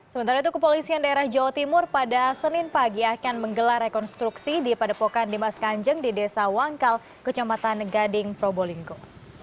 sementara itu kepolisian daerah jawa timur pada senin pagi akan menggelar rekonstruksi di padepokan dimas kanjeng di desa wangkal kecamatan gading probolinggo